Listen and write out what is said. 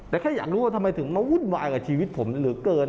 แต่แค่อยากรู้ว่าทำไมถึงมาวุ่นวายกับชีวิตผมเหลือเกิน